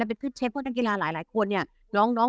และเป็นเพื่อนเช็คพวกนักกีฬาหลายหลายคนเนี่ยน้อง